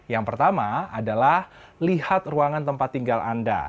yang pertama adalah lihat ruangan tempat tinggal anda